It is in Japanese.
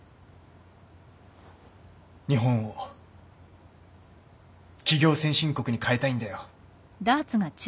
日本を起業先進国に変えたいんだよ。